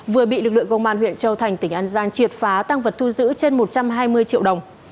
vừa bị lực lượng công an huyện châu thành tỉnh an giang triệt phá tăng vật thu giữ trên một trăm hai mươi triệu đồng